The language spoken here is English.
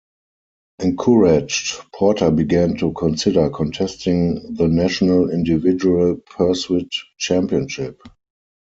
Encouraged, Porter began to consider contesting the national individual pursuit championship.